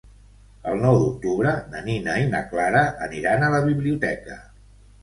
El nou d'octubre na Nina i na Clara aniran a la biblioteca.